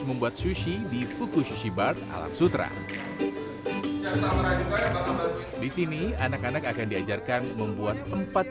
membuat sushi di fuku sushibar alam sutra disini anak anak akan diajarkan membuat empat